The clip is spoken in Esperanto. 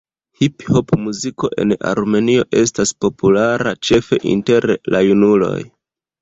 Hiphopomuziko en Armenio estas populara ĉefe inter la junuloj.